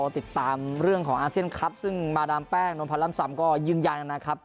ติดตามเรื่องของอาเซียนคลับซึ่งมาดามแป้งนวลพันธ์ล่ำซำก็ยืนยันนะครับ